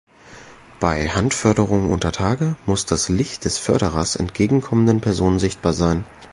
Bei Handförderung unter Tage muß das Licht des Förderers entgegenkommenden Personen sichtbar sein.